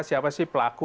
siapa sih pelaku